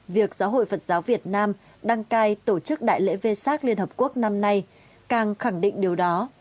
việc giáo hội phật giáo việt nam đăng cai tổ chức đại lễ vê sát liên hợp quốc năm nay càng khẳng định điều đó